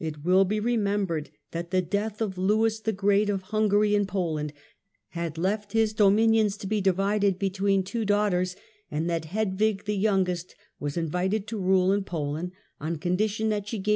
It will be remembered that the death of Lewis the Great of Hungary and Poland had left his dominions to be divided between two daughters, and that Hedwig, the youngest, was invited to rule in Poland on condition that she gave